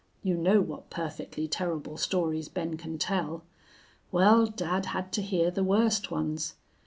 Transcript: You know what perfectly terrible stories Ben can tell. Well, dad had to hear the worst ones.